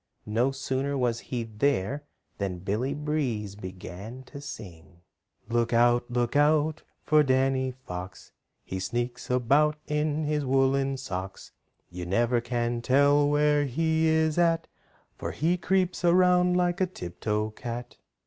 No sooner was he there than Billy Breeze began to sing: "Look out, look out for Danny Fox! He sneaks about in his woolen socks, You never can tell where he is at, For he creeps around like a tip toe cat."